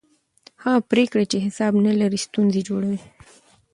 هغه پرېکړې چې حساب نه لري ستونزې جوړوي